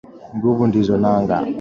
Nguvu ndizo nanga.